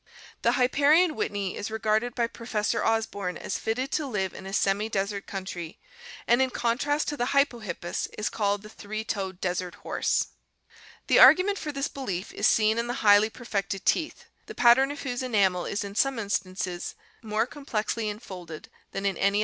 The Hipparion whitneyi is regarded by Professor Osborn as fitted to live in a semi desert country, and in contrast to the Hypohippus, is called the 'three toed desert horse,,, (Matthew). The argument for this belief is seen in the highly perfected teeth, the pattern of whose enamel is in some instances more complexly infolded than in any other horse, Fie. 222— Hand (A) and 6i8 ORGANIC EVOLUTION Fio.